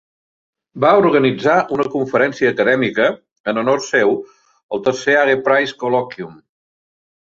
Va organitzar una conferència acadèmica en honor seu: el tercer Hague Prize Colloquium.